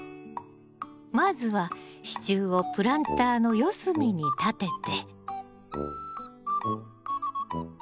まずは支柱をプランターの四隅に立てて。